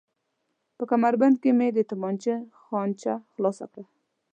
په کمربند کې مې د تومانچې خانچه خلاصه کړل.